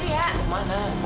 sat kamu kemana